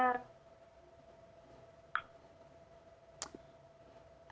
อยากให้เขามา